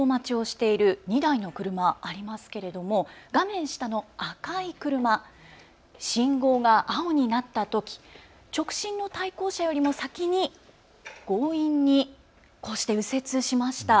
交差点で信号待ちをしている２台の車、ありますけれども画面下の赤い車、信号が青になったとき直進の対向車よりも先に強引に右折しました。